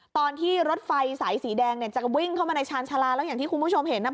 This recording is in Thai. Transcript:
ตอนที่รถไฟสายสีแดงเนี่ยจะวิ่งเข้ามาในชาญชาลาแล้วอย่างที่คุณผู้ชมเห็นน่ะ